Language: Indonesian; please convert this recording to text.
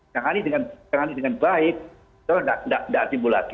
jangan ini dengan baik itu tidak timbul lagi